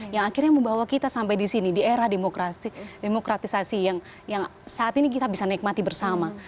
yang akhirnya membawa kita sampai di sini di era demokratisasi yang saat ini kita bisa nikmati bersama